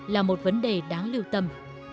là một vấn đề đáng lưu tâm